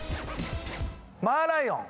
マーライオン。